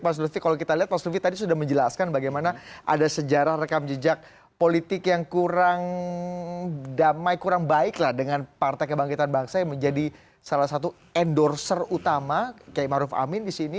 mas lutfi kalau kita lihat mas lutfi tadi sudah menjelaskan bagaimana ada sejarah rekam jejak politik yang kurang damai kurang baiklah dengan partai kebangkitan bangsa yang menjadi salah satu endorser utama kiai ma'ruf amin disini